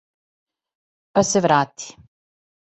Па се врати.